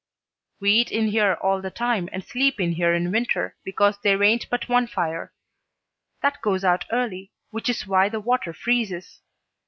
"We eat in here all the time and sleep in here in winter, because there ain't but one fire. That goes out early, which is why the water freezes.